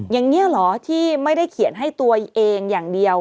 อย่างนี้เหรอที่ไม่ได้เขียนให้ตัวเองอย่างเดียว